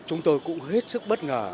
chúng tôi cũng hết sức bất ngờ